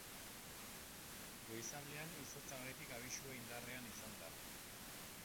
Goizaldean izotzagatik abisua indarrean izan da.